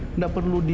tidak perlu di